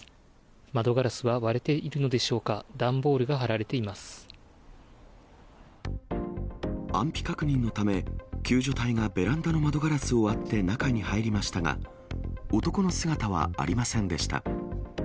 窓ガラスは割れているのでしょうか、安否確認のため、救助隊がベランダの窓ガラスを割って中に入りましたが、男の姿はありませんでした。